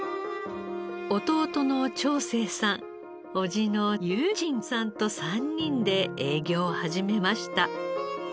弟の長征さん伯父の玉清さんと３人で営業を始めました。